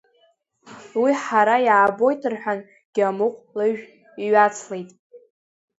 Уи ҳара иаабоит, — рҳәан Гьамыҟә лыжә иҩацлеит.